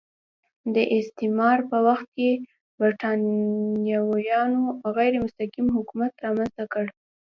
د استعمار په وخت کې برېټانویانو غیر مستقیم حکومت رامنځته کړ.